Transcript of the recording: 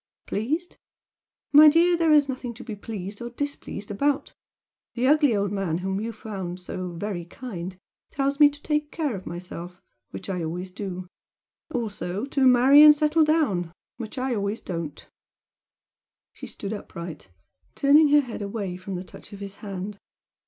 "Pleased? My dear, there is nothing to be pleased or displeased about! The ugly old man whom you found so 'very kind' tells me to take care of myself which I always do. Also to marry and settle down which I always don't!" She stood upright, turning her head away from the touch of his hand.